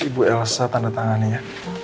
ibu elsa tandatangani ya